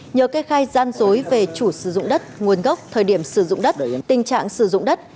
nhờ kê khai gian dối về chủ sử dụng đất nguồn gốc thời điểm sử dụng đất tình trạng sử dụng đất